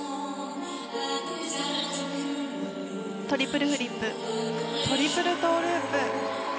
トリプルフリップトリプルトーループ。